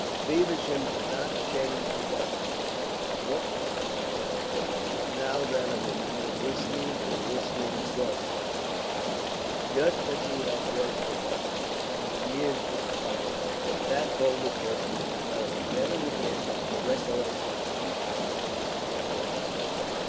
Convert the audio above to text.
Feversham did not change his attitude, but the look upon his face was now that of a man listening, and listening thoughtfully, just as he had read thoughtfully. In the years which followed, that moment was to recur again and again to the recollection of each of Harry's three guests.